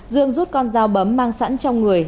dương rút con dao bấm mang sẵn trong người